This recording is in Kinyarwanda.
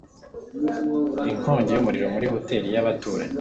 Inkongi y'umuriro muri hoteri y'abaturanyi.